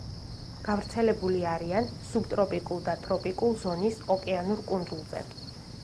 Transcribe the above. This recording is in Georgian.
გავრცელებული არიან სუბტროპიკულ და ტროპიკულ ზონის ოკეანურ კუნძულზე.